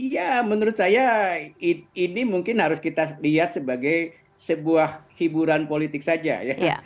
ya menurut saya ini mungkin harus kita lihat sebagai sebuah hiburan politik saja ya